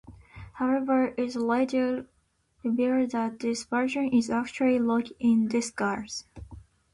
However, it's later revealed that this version is actually Loki in disguise.